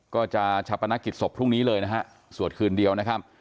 ก็จะชาปนกิจศพพรุ่งนี้เลยนะฮะสวดคืนเดียวนะครับ